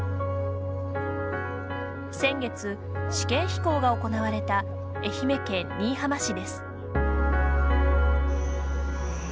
先月、試験飛行が行われた愛媛県新居浜市です。